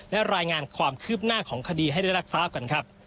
และรายงานความคืบหน้าของคดีให้ได้รับทราบกันครับ